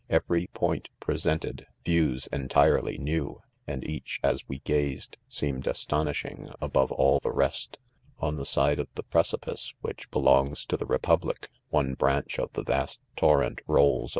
y point' presented • views • entirely new, and each, as we gazed,, seemed astonishing above all the 'rest. c On; the side of the precipice which beloags to the republic, one branch of the vast torrent lolls.